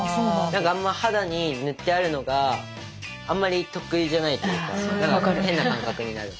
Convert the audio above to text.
何かあんま肌に塗ってあるのがあんまり得意じゃないというか変な感覚になる。